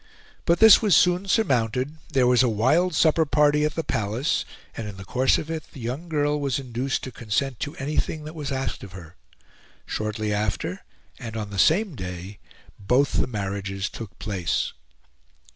But this was soon surmounted; there was a wild supper party at the Palace, and in the course of it the young girl was induced to consent to anything that was asked of her. Shortly after, and on the same day, both the marriages took place.